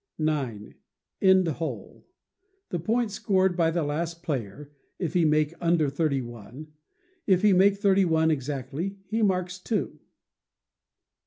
ix. End Hole. The point scored by the last player, if he make under thirty one; if he make thirty one exactly, he marks two.